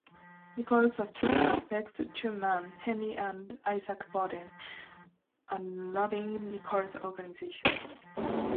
Nichols suspected two men, Henry and Isaac Bolden, of robbing Nichols's organization.